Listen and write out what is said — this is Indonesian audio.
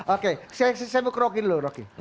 oke saya mau ke rocky dulu rocky